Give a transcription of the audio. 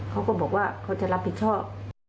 เขาก็บอกว่าเขาจะรับผิดชอบ